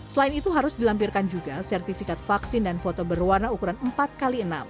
selain itu harus dilampirkan juga sertifikat vaksin dan foto berwarna ukuran empat x enam